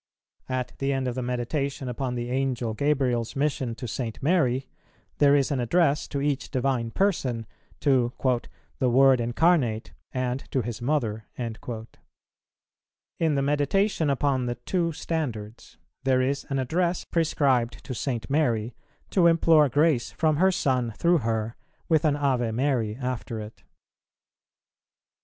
At the end of the Meditation upon the Angel Gabriel's mission to St. Mary, there is an address to each Divine Person, to "the Word Incarnate and to His Mother." In the Meditation upon the Two Standards, there is an address prescribed to St. Mary to implore grace from her Son through her, with an Ave Mary after it.